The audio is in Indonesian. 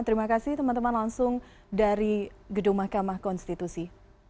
terima kasih teman teman langsung dari gedung mahkamah konstitusi